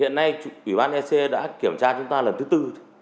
hiện nay ủy ban ec đã kiểm tra chúng ta lần thứ tư